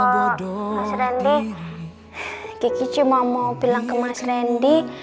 mas randy kiki cuma mau bilang ke mas randy